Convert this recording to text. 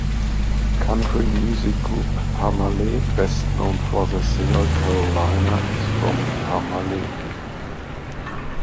Country music group, Parmalee best known for their single "Carolina" is from Parmele.